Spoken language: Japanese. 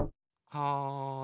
・はい。